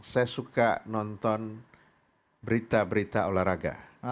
saya suka nonton berita berita olahraga